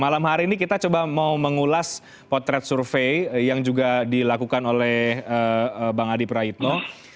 malam hari ini kita coba mau mengulas potret survei yang juga dilakukan oleh bang adi praitno